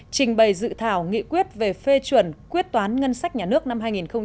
trình bày dự thảo nghị quyết về phê chuẩn quyết toán ngân sách nhà nước năm hai nghìn một mươi bảy